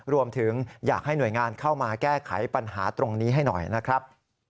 รวมถึงอยากให้หน่วยงานเข้ามาแก้ไขปัญหาตรงนี้ให้หน่อยนะครับ